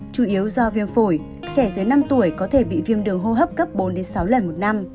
chủ yếu do viêm phổi trẻ dưới năm tuổi có thể bị viêm đường hô hấp cấp bốn sáu lần một năm